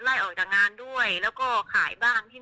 เพราะฉะนั้นเวลาด่าหรือว่าอะไรอย่างนี้เขาจะด่าแบบสุดอ่ะ